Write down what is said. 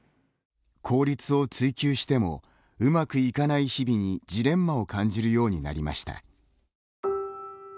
効率を追求してもうまく行かない日々にジレンマを感じるようになりました。